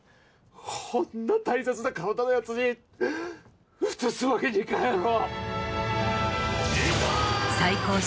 ほんな大切な体のヤツにうつすわけにいかんやろ。